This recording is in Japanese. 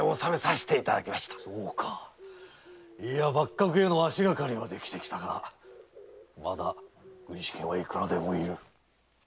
そうか幕閣への足がかりはできてきたがまだ軍資金はいくらでも要る。